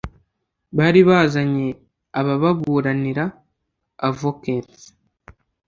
bari bazanye abababuranira avocats